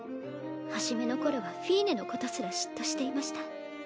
初めの頃はフィーネのことすら嫉妬していました。